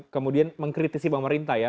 kemudian mengkritisi pemerintah ya